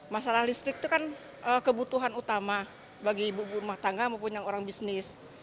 masalah listrik itu kan kebutuhan utama bagi ibu ibu rumah tangga maupun yang orang bisnis